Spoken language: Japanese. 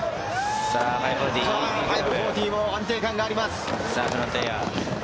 ５４０も安定感があります。